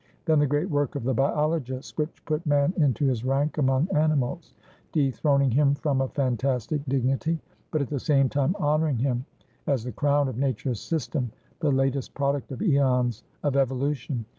Then the great work of the biologists, which put man into his rank among animals, dethroning him from a fantastic dignity, but at the same time honouring him as the crown of nature's system, the latest product of aeons of evolution.